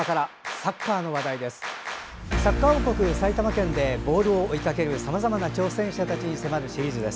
サッカー王国・埼玉県でボールを追いかけるさまざまな挑戦者たちに迫るシリーズです。